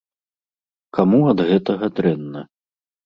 Каму ад гэтага дрэнна?